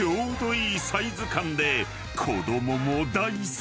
［子供も大好き！］